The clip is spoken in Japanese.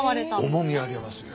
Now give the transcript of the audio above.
重みありますよね。